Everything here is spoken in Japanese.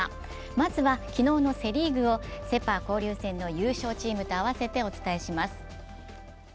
まずは昨日のセ・リーグをセ・パ交流戦の優勝チームとあわせてお伝えします。